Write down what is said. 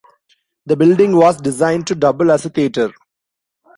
The building was designed to double as a theatre.